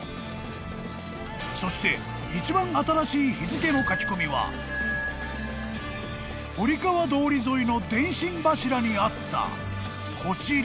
［そして一番新しい日付の書き込みは堀川通沿いの電信柱にあったこちら］